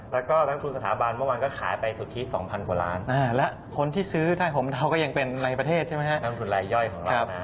๒๕๐๐ล้านรถเยอะแว่งเขาต้องที่เงินเยอะนะครับ